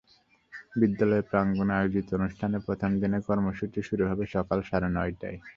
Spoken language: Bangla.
বিদ্যালয় প্রাঙ্গণে আয়োজিত অনুষ্ঠানে প্রথম দিনের কর্মসূচি শুরু হবে সকাল সাড়ে নয়টায়।